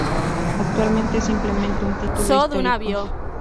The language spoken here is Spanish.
Actualmente es simplemente un Título histórico.